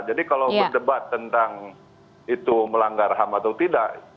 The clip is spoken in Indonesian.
jadi kalau berdebat tentang itu melanggar ham atau tidak